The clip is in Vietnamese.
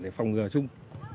để phòng ngừa chung